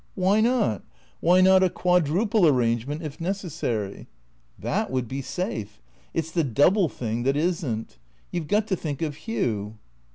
*' Why not ? Why not a quadruple arrangement if neces sary ?" THE CREATORS 333 "That would be safe. It's the double thing that isn't. You 've got to think of Hugh."